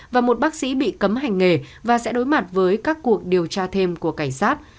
và một bác sĩ bị cấm hành nghề và sẽ đối mặt với các cuộc điều tra thêm của cảnh sát